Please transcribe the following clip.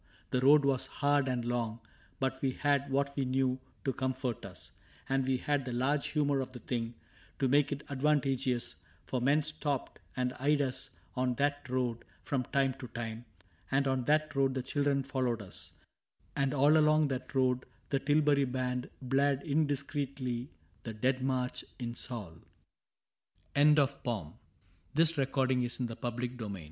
The road was hard and long, But we had what we knew to comfort us, And we had the large humor of the thing To make it advantageous ; for men stopped And eyed us on that road from time to time, And on that road the children followed us ; And all along that road the Tilbury Band Blared indiscreetly the Dead March in SauL ISAAC AND ARCHIBALD Isaac and